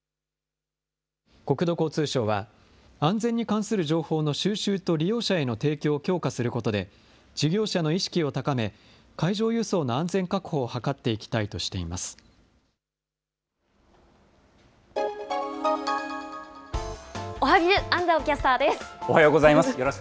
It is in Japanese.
国土交通省は、安全に関する情報の収集と利用者への提供を強化することで、事業者の意識を高め、海上輸送の安全確保を図っていきおはＢｉｚ、おはようございます。